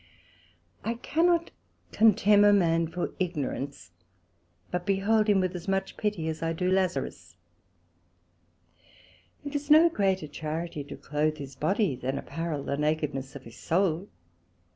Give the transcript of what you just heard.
I cannot contemn a man for ignorance, but behold him with as much pity as I do Lazarus. It is no greater Charity to cloath his body, than apparel the nakedness of his Soul.